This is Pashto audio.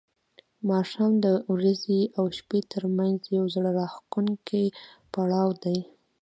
ماښام د ورځې او شپې ترمنځ یو زړه راښکونکی پړاو دی.